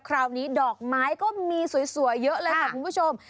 คราวนี้ดอกไม้ก็มีสวยเยอะเลยค่ะคุณผู้ชม